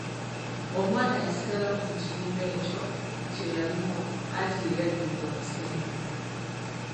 Omwana yasigalamu mu kibiina ekyo kye yalimu anti y'eyaddirira omusembi.